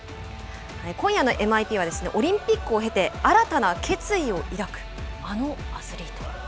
今夜ＭＩＰはオリンピックを経て、新たな決意を抱く、あのアスリート。